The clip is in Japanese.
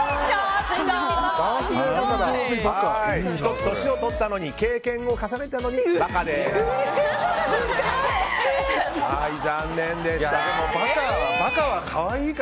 １つ年を取ったのに経験を重ねたのにうるさい！